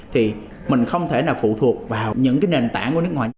thì mình không thể nào phụ thuộc vào những cái nền tảng của nước ngoài